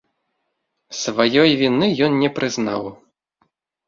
Сваёй віны ён не прызнаў.